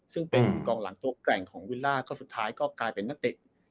ซึ่งเป็นกองหลังตัวแกร่งของวิลล่าก็สุดท้ายก็กลายเป็นนักเตะ